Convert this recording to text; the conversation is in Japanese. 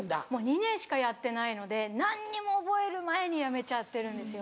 ２年しかやってないので何にも覚える前に辞めちゃってるんですよ。